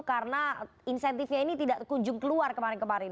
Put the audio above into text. karena insentifnya ini tidak kunjung keluar kemarin kemarin